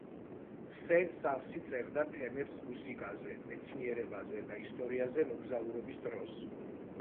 სენ-სანსი წერდა თემებს მუსიკაზე, მეცნიერებაზე და ისტორიაზე მოგზაურობის დროს.